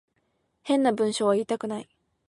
変な文章は言いたくない